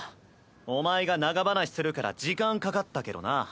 お前が長話するから時間かかったけどな。